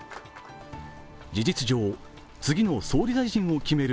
事実上、次の総理大臣を決める